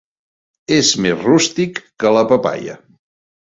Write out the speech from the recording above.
És més rústic que la papaia.